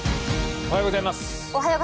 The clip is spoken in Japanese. おはようございます。